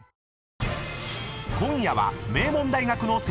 ［今夜は名門大学の］